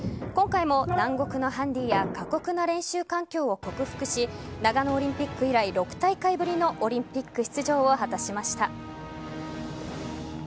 今回も南国のハンディや過酷な練習環境を克服し長野オリンピック以来６大会ぶりのオリンピック出場を果たしました。